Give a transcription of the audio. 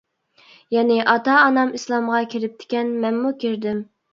يەنى ئاتا-ئانام ئىسلامغا كىرىپتىكەن، مەنمۇ كىردىم.